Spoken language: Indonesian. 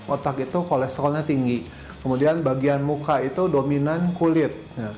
otak itu kolesterolnya tinggi kemudian bagian muka itu dominan kulit